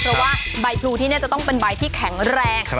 เพราะว่าใบพลูที่นี่จะต้องเป็นใบที่แข็งแรง